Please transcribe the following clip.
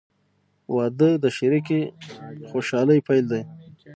• واده د شریکې خوشحالۍ پیل دی.